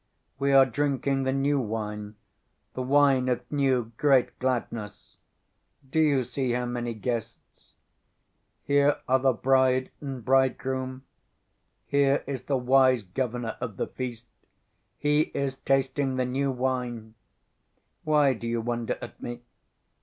"We are drinking the new wine, the wine of new, great gladness; do you see how many guests? Here are the bride and bridegroom, here is the wise governor of the feast, he is tasting the new wine. Why do you wonder at me?